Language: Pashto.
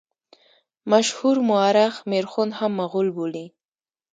مشهور مورخ میرخوند هم مغول بولي.